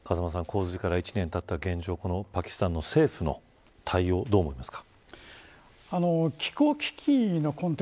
風間さん、洪水から１年がたったパキスタンの政府の対応をどう思いますか。